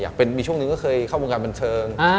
อยากเป็นมีช่วงนึงเคยเข้าวงการบันเทิง